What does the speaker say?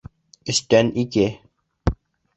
Өстән ике